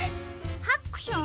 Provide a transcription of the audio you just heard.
ハックション？